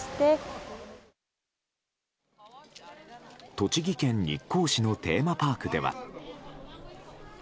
栃木県日光市のテーマパークでは。